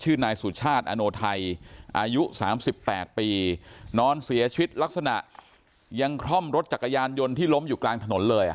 นายสุชาติอโนไทยอายุ๓๘ปีนอนเสียชีวิตลักษณะยังคล่อมรถจักรยานยนต์ที่ล้มอยู่กลางถนนเลย